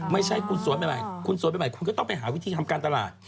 ไม่ใช่คุณสวยใหม่คุณสวยใหม่คุณก็ต้องไปหาวิธีทำการตลาด